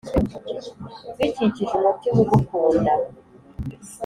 bikikije umutima ugukunda".